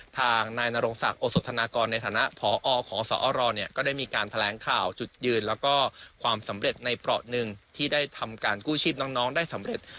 ทางนายนรงศักดิ์โอสธนากรในฐานะพอขอสอรก็ได้มีการแถลงข่าวจุดยืนแล้วก็ความสำเร็จในเปราะหนึ่งที่ได้ทำการกู้ชีพน้องได้สำเร็จ